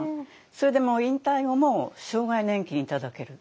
それで引退後も生涯年金いただける。